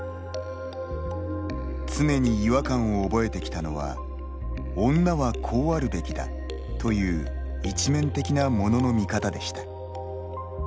常に違和感を覚えてきたのは女はこうあるべきだという一面的なものの見方でした。